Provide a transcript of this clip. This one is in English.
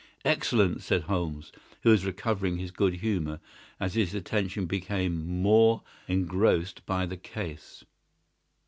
"Excellent!" said Holmes, who was recovering his good humour as his attention became more engrossed by the case.